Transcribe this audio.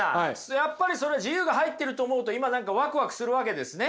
やっぱりそれは自由が入っていると思うと今何かワクワクするわけですね？